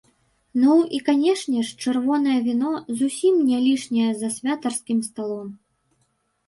Ну і, канешне ж, чырвонае віно, зусім не лішняе за святарскім сталом.